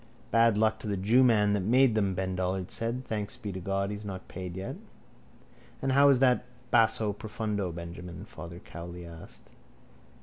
—Bad luck to the jewman that made them, Ben Dollard said. Thanks be to God he's not paid yet. —And how is that basso profondo, Benjamin? Father Cowley asked.